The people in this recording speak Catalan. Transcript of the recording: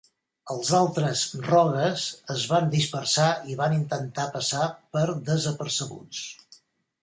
Els altres Rogues es van dispersar i van intentar passar per desapercebuts.